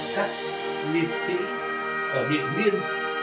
các nguyện sĩ và điện viên